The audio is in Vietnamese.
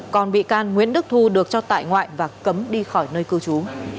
còn bị can nguyễn đức thu được cho tại ngoại và cấm đi khỏi nơi cư trú